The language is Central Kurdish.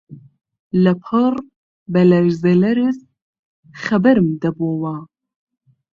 لەپڕ بە لەرزە لەرز خەبەرم دەبۆوە